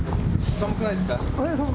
寒くないです。